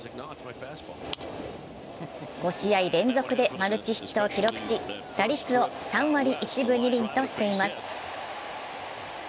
５試合連続でマルチヒットを記録し、打率を３割１分２厘としています。